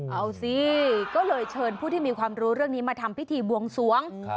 เอาสิก็เลยเชิญผู้ที่มีความรู้เรื่องนี้มาทำพิธีบวงสวง